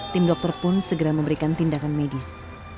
tim dokter pun segera memberikan tindakan medis